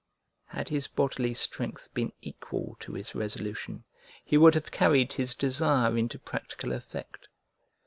Had his bodily strength been equal to his resolution, he would have carried his desire into practical effect.